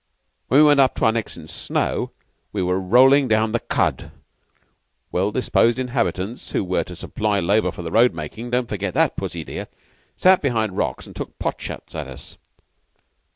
When we weren't up to our necks in snow, we were rolling down the khud. The well disposed inhabitants, who were to supply labor for the road making (don't forget that, Pussy dear), sat behind rocks and took pot shots at us.